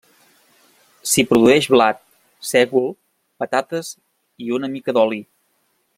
S'hi produeix blat, sègol, patates i una mica d'oli.